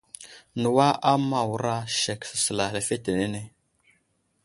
Newa a Mawra sek səsəla lefetenene.